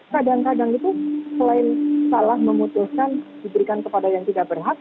kadang kadang itu selain salah memutuskan diberikan kepada yang tidak berhak